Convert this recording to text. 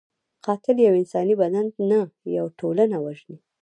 قاتل یو انساني بدن نه، یو ټولنه وژني